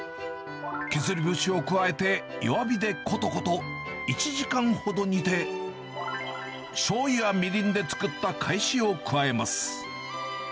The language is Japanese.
削り節を加えて弱火でことこと１時間ほど煮て、しょうゆやみりんで作ったかえしを加えます。